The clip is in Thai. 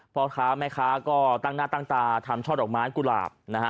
พ่อค้าแม่ค้าก็ตั้งหน้าตั้งตาทำช่อดอกไม้กุหลาบนะฮะ